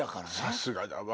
さすがだわ。